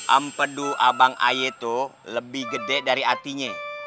ampedu abang ayetuh lebih gede dari hatinya